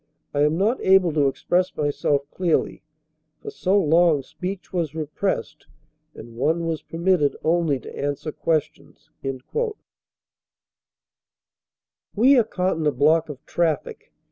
"I am not able to express myself clearly. For so long speech was repressed and one was permitted only to answer ques tions. We are caught in a block of traffic.